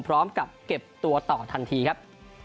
พร้อมกับเก็บตัวต่อทันทีครับ